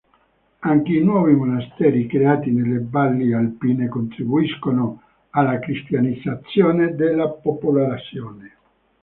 Anche i nuovi monasteri creati nelle valli alpine contribuiscono alla cristianizzazione della popolazione.